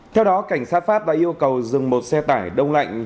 theo đó cảnh sát pháp đã yêu cầu dừng một xe tải đông lạnh